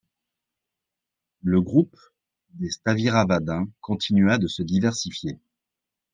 Le groupe des Sthaviravādin continua de se diversifier.